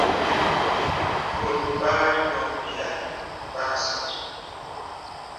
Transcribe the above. Bɔ̀t bā nyɔ byə̂ bə a sɔk.